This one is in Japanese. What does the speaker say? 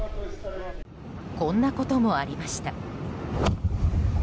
こんなこともありました。